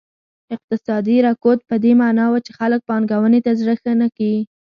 اقتصادي رکود په دې معنا و چې خلک پانګونې ته زړه نه ښه کړي.